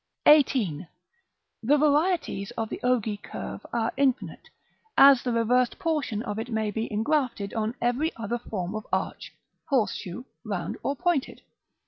§ XVIII. The varieties of the ogee curve are infinite, as the reversed portion of it may be engrafted on every other form of arch, horseshoe, round, or pointed.